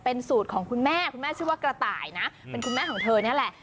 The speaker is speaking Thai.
เป็นสูตรของคุณแม่คุณแม่ชื่อว่ากระต่ายนะเป็นคุณแม่ของเธอนี่แหละ